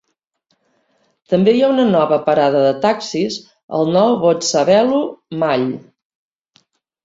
També hi ha una nova parada de taxis al nou Botshabelo Mall.